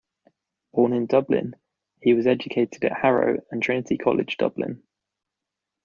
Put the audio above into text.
Born in Dublin, he was educated at Harrow and Trinity College Dublin.